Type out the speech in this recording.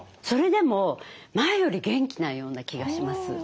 それでも前より元気なような気がします。